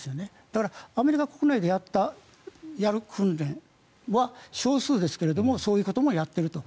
だからアメリカ国内でやる訓練は少数ですがそういうこともやっていると。